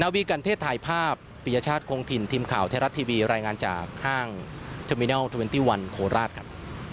นาวีกันเทศถ่ายภาพปียชาติโครงถิ่นทีมข่าวเทศรัฐทีวีรายงานจากห้างเทอร์มินัล๒๑โคราชครับ